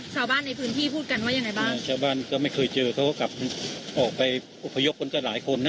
ชาวบ้านในพื้นที่พูดกันว่ายังไงบ้างชาวบ้านก็ไม่เคยเจอเขาก็กลับออกไปอพยพคนก็หลายคนนะ